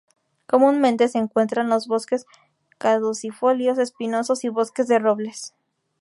Comúnmente se encuentra en los bosques caducifolios espinosos y bosques de robles.